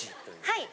はい。